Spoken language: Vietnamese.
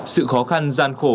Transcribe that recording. sự khó khăn gian khổ